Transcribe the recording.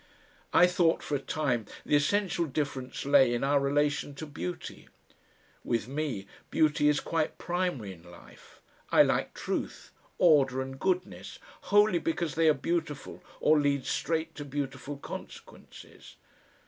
I thought for a time the essential difference lay in our relation to beauty. With me beauty is quite primary in life; I like truth, order and goodness, wholly because they are beautiful or lead straight to beautiful consequences.